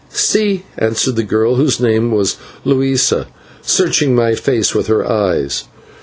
"/Si/," answered the girl, whose name was Luisa, searching my face with her eyes.